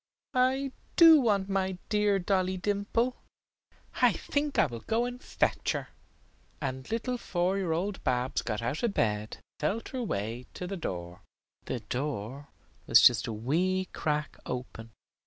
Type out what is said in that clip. I do want my dear Dolly Dimple. I think I will go and fetch her." And little four year old Babs got out of bed and felt her way to the door. The door was just a wee crack open.